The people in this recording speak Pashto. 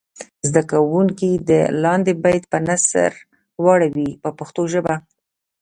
زده کوونکي دې لاندې بیت په نثر واړوي په پښتو ژبه.